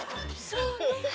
そうね。